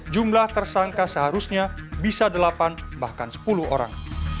jumlah tersangka seharusnya bisa delapan bahkan sepuluh orang